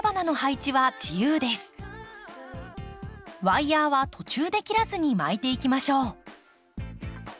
ワイヤーは途中で切らずに巻いていきましょう。